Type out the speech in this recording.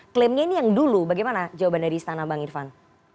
klaimnya ini yang dulu bagaimana jawaban dari istana bang irfan